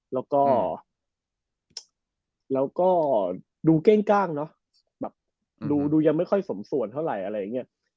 แล้วก็ดูเก้งกล้างเนอะแบบดูยังไม่ค่อยสมส่วนเท่าไหร่อะไรอย่างนี้